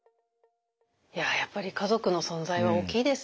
いややっぱり家族の存在は大きいですね。